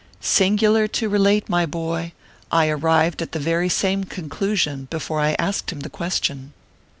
Singular to relate, my boy, I had arrived at the very same conclusion before I asked him the question.